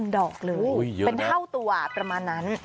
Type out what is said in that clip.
ดอกเลยเป็นเท่าตัวประมาณนั้น